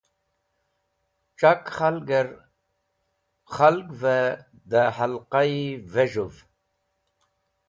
C̃hak yarkẽr khalgvẽ dẽ hẽlqaẽ vẽz̃hũw.